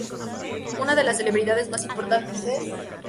Uno de las celebridades más importantes es.